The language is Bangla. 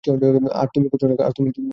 আর তুমি করছ না?